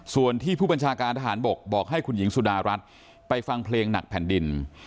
ส่วนที่ผู้บัญชาการทหารบกบอกให้คุณหญิงสุดารัฐไปฟังเพลงหนักแผ่นดิน